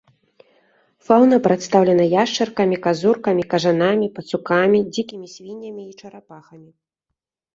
Фаўна прадстаўлена яшчаркамі, казуркамі, кажанамі, пацукамі, дзікімі свіннямі і чарапахамі.